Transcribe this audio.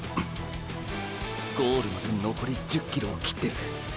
ゴールまでのこり１０ｋｍを切ってる。